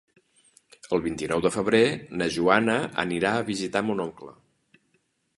El vint-i-nou de febrer na Joana anirà a visitar mon oncle.